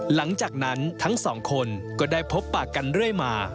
หลังจากนั้นทั้งสองคนก็ได้พบปากกันเรื่อยมา